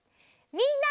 みんな！